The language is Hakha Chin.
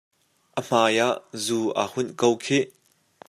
A hmai ah zu aa hunh ko khih!